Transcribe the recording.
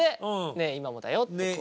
「ねぇ、今もだよ」って。